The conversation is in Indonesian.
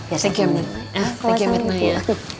ya terima kasih mirna ya